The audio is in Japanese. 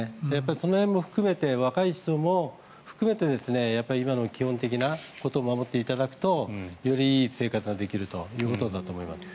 その辺も含めて若い人も含めて今の基本的なことを守っていただくとよりいい生活ができるということだと思います。